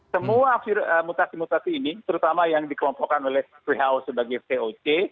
semua mutasi mutasi ini terutama yang dikelompokkan oleh who sebagai voc